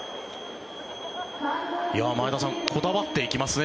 前田さん、本当にこだわっていきますね。